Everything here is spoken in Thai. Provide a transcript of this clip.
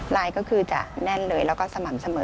ก็คือจะแน่นเลยแล้วก็สม่ำเสมอ